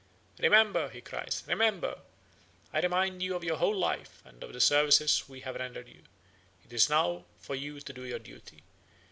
"Remember," he cries, "remember! I remind you of your whole life and of the services we have rendered you. It is now for you to do your duty.